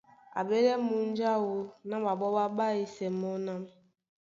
A ɓélɛ́ múnja áō na ɓaɓɔ́ ɓá ɓáísɛ́ mɔ́ ná: